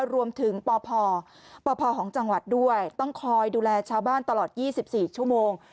รวมถึงป่อป่อของจังหวัดด้วยต้องคอยดูแลชาวบ้านตลอดยี่สิบสี่ชั่วโมง